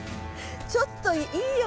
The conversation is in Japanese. ちょっといいよね。